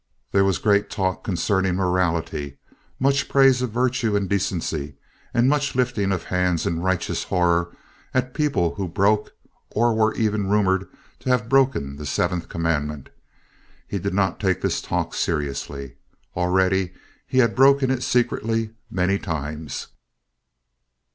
There was great talk concerning morality, much praise of virtue and decency, and much lifting of hands in righteous horror at people who broke or were even rumored to have broken the Seventh Commandment. He did not take this talk seriously. Already he had broken it secretly many times.